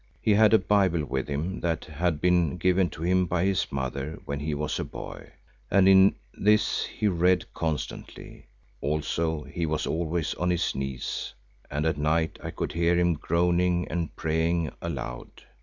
He had a Bible with him that had been given to him by his mother when he was a boy, and in this he read constantly; also he was always on his knees and at night I could hear him groaning and praying aloud.